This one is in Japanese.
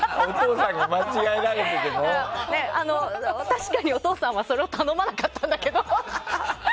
確かにお父さんはそれを頼まなかったんだけど。